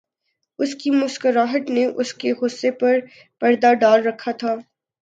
اُس کی مسکراہٹ نے اُس کے غصےپر پردہ ڈال رکھا تھا